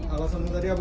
alasanmu tadi apa